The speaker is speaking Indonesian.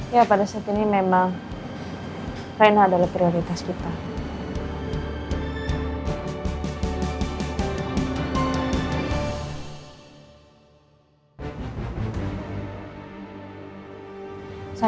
ya pada saat ini memang rena adalah prioritas kita